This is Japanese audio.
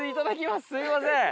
すいません！